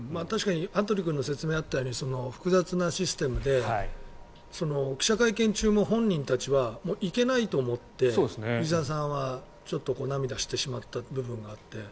確かに羽鳥君の説明があったように複雑なシステムで記者会見中も本人たちは行けないと思って藤澤さんはちょっと涙してしまった部分があって。